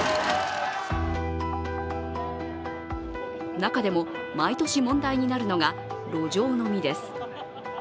中でも毎年問題になるのが路上飲みです。